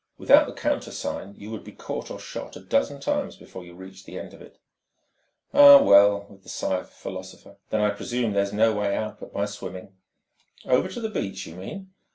Without the countersign, you would be caught or shot a dozen times before you reached the end of it." "Ah, well!" with the sigh of a philosopher "then I presume there's no way out but by swimming." "Over to the beach you mean?